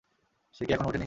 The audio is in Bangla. সে কী এখনো উঠেনি?